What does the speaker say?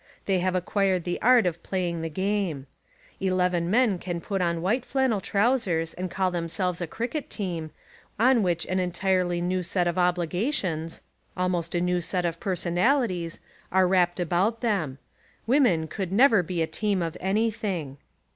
They have acquired the art of playing the game. Eleven men can put on white flannel trousers and call themselves a cricket team, on which an entirely new set of obligations, 142 The Woman Question almost a new set of personalities, are wrapped about them. Women could never be a team of anything.